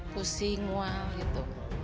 kusing mual gitu